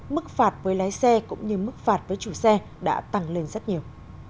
mức phạt với lái xe cũng như mức phạt với chủ xe đã tăng lên rất nhiều